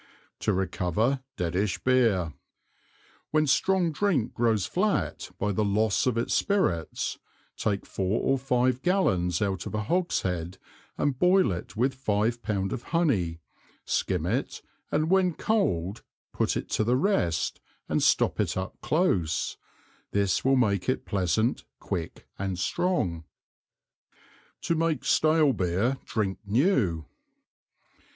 To recover deadish Beer. When strong Drink grows flat, by the loss of its Spirits, take four or five Gallons out of a Hogshead, and boil it with five Pound of Honey, skim it, and when cold, put it to the rest, and stop it up close: This will make it pleasant, quick and strong. To make stale Beer drink new.